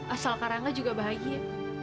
asal karangga juga bahagia